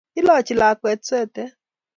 Ilochi lakwet swetet